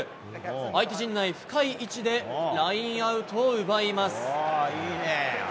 相手陣内深い位置でラインアウトを奪います。